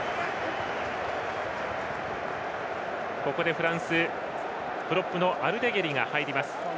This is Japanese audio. フランスプロップのアルデゲリが入ります。